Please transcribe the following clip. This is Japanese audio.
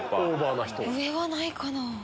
上はないかな。